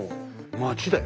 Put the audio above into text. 町だよね